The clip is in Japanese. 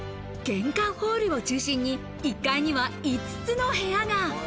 玄関ホールを中心に１階には５つの部屋が。